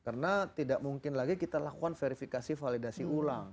karena tidak mungkin lagi kita lakukan verifikasi validasi ulang